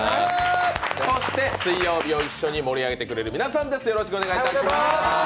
水曜日を一緒に盛り上げてくれる皆さんです。